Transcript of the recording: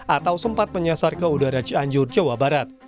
atau sempat menyasar ke udara cianjur jawa barat